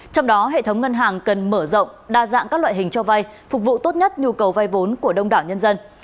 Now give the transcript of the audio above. trong đó hệ thống ngân hàng cần mở rộng đa dạng các loại hình cho vay phục vụ tốt nhất nhu cầu vay vốn của đông đảo nhân dân